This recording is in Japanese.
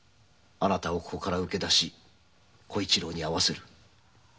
あなたをここから請け出し小一郎に会わせる。